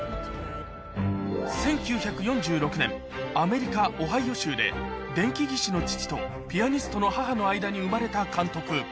１９４６年アメリカオハイオ州で電気技師の父とピアニストの母の間に生まれた監督